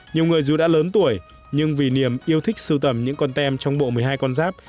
nhiều người dù đã lớn tuổi nhưng vì niềm yêu thích sưu tầm những con tem trong bộ một mươi hai con giáp